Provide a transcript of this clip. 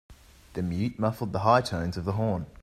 The mute muffled the high tones of the horn.